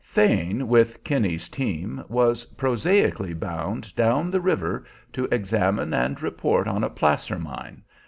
Thane, with Kinney's team, was prosaically bound down the river to examine and report on a placer mine.